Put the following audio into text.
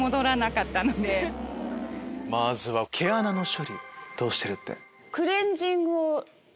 まずは毛穴の処理どうしてる？って。